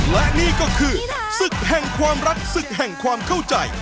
และนี่ก็คือศึกแห่งความรักศึกแห่งความเข้าใจ